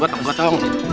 dokter usah disuntik